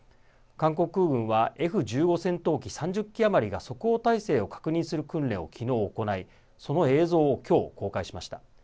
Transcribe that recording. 韓国軍はＦ１５戦闘機３０機余りが即応態勢を確認する訓練をきのう、行いその映像をきょう公開しました。